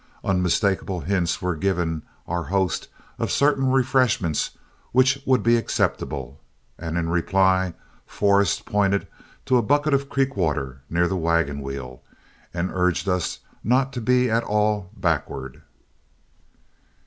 Unmistakable hints were given our host of certain refreshments which would be acceptable, and in reply Forrest pointed to a bucket of creek water near the wagon wheel, and urged us not to be at all backward.